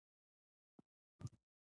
د چینجیانو لپاره د کومې میوې شیره وکاروم؟